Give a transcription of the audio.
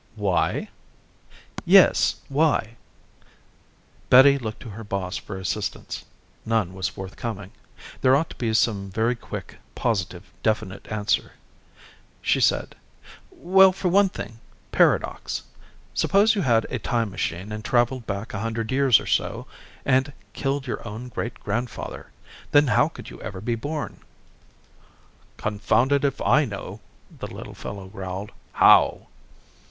"Why?" "Yes, why?" Betty looked to her boss for assistance. None was forthcoming. There ought to be some very quick, positive, definite answer. She said, "Well, for one thing, paradox. Suppose you had a time machine and traveled back a hundred years or so and killed your own great grandfather. Then how could you ever be born?" "Confound it if I know," the little fellow growled. "How?"